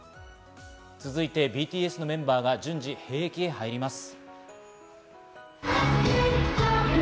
続いてＢＴＳのメンバーが順次、兵役へ入ります。